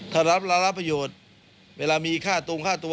ถ้ารับประโยชน์เวลามีค่าตรงค่าตัว